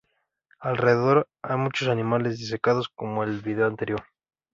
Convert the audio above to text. Alrededor, hay muchos animales disecados, como en el vídeo anterior.